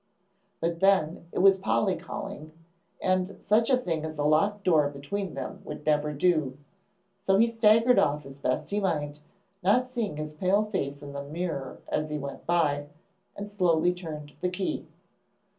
But then, it was Polly calling, and such a thing as a locked door between them would never do. So he staggered off as best he might, not seeing his pale face in the mirror as he went by, and slowly turned the key.